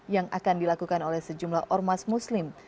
yang akan dilakukan oleh sejumlah ormas muslim